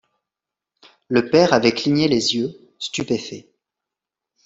Le père avait cligné les yeux, stupéfait.